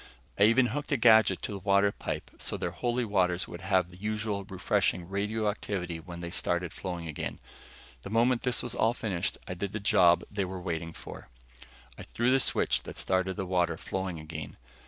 I even hooked a gadget to the water pipe so their Holy Waters would have the usual refreshing radioactivity when they started flowing again. The moment this was all finished, I did the job they were waiting for. I threw the switch that started the water flowing again.